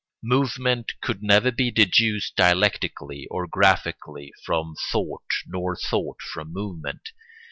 Movement could never be deduced dialectically or graphically from thought nor thought from movement.